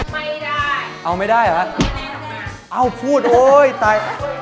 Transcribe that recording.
ไม่ได้เอาไม่ได้หรอแน่นออกไม่ได้พูดโอ้ยดีพ